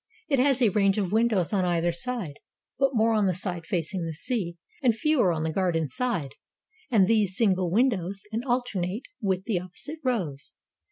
It has a range of windows on either side, but more on the side facing the sea, and fewer on the garden side, and these, single windows and alternate with the opposite rows.